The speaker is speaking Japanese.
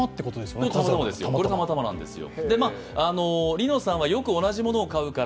たまたまなんですよ。